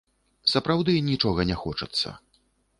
Сапраўды нічога не хочацца.